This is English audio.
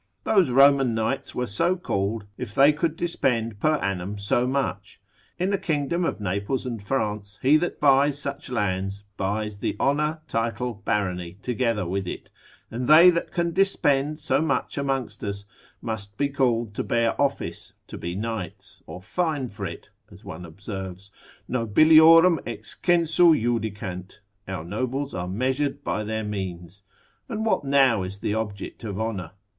Those Roman knights were so called, if they could dispend per annum so much. In the kingdom of Naples and France, he that buys such lands, buys the honour, title, barony, together with it; and they that can dispend so much amongst us, must be called to bear office, to be knights, or fine for it, as one observes, nobiliorum ex censu judicant, our nobles are measured by their means. And what now is the object of honour?